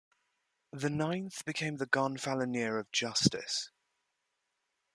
The ninth became the Gonfaloniere of Justice.